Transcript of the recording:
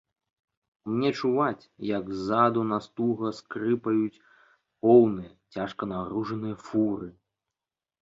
Мне чуваць, як ззаду нас туга скрыпаюць поўныя, цяжка нагружаныя фуры.